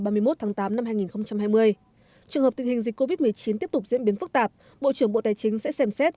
trường hợp tình hình dịch covid một mươi chín tiếp tục diễn biến phức tạp bộ trưởng bộ tài chính sẽ xem xét